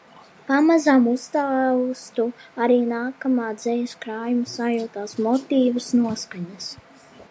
Pamazām uztaustu arī nākamā dzejas krājuma sajūtas, motīvus, noskaņas.